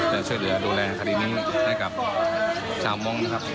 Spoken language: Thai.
จะช่วยเหลือดูแลคดีนี้ให้กับชาวมงค์นะครับ